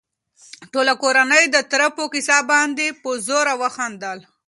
ټوله کورنۍ د تره په کيسه باندې په زوره وخندل.